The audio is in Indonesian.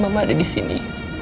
mama ada disini